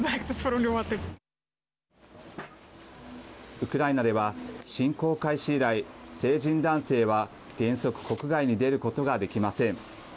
ウクライナでは侵攻開始以来成人男性は原則国外に出ることができません。